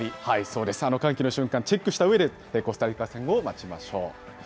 そうです、あの歓喜の瞬間チェックしたうえで、コスタリカ戦を待ちましょう。